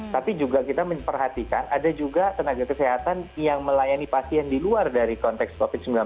tapi juga kita memperhatikan ada juga tenaga kesehatan yang melayani pasien di luar dari konteks covid sembilan belas